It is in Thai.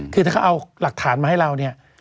คือถ้าเขาเอาหลักฐานมาให้เราเนี่ย